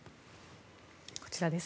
こちらです。